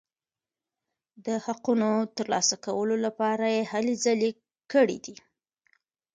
د حقونو ترلاسه کولو لپاره یې هلې ځلې کړي دي.